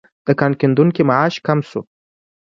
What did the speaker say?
د کان کیندونکو مزد کم شو.